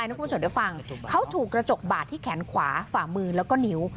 ให้คุณผู้ชมได้ฟังเขาถูกกระจกบาดที่แขนขวาฝ่ามือแล้วก็นิ้ว